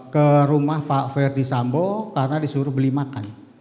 ke rumah pak ferdisambo karena disuruh beli makan